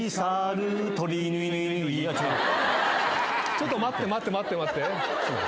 ちょっと待って待って待って待って。